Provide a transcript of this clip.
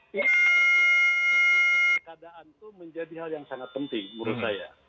keadaan itu menjadi hal yang sangat penting menurut saya